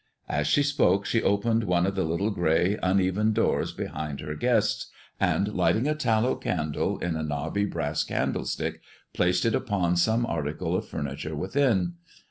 As she spoke she opened one of the little, gray, uneven doors behind her guests, and lighting a tallow candle in a knobby brass candlestick, placed it upon some article of furniture within.